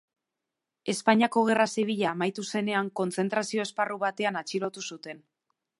Espainiako Gerra Zibila amaitu zenean, kontzentrazio-esparru batean atxilotu zuten.